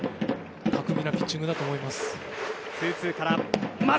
巧みなピッチングだと思います。